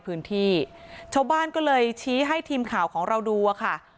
พื้นที่ชาวบ้านก็เลยชี้ให้ทีมข่าวของเราดูอะค่ะ